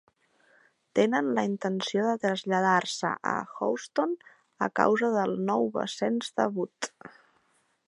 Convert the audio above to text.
Tenen la intenció de traslladar-se a Houston a causa del nou ascens de Bud.